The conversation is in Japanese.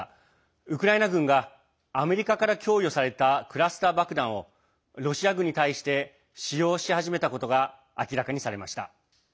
ウクライナ軍がアメリカから供与されたクラスター爆弾をロシア軍に対して使用し始めたことが明らかにされました。